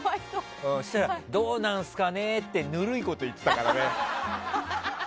そうしたら、どうなんすかねってぬるいこと言ってた。